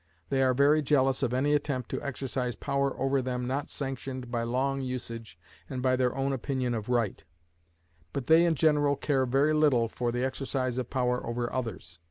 They are very jealous of any attempt to exercise power over them not sanctioned by long usage and by their own opinion of right; but they in general care very little for the exercise of power over others.